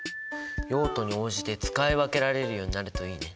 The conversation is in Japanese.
用途に応じて使い分けられるようになるといいね。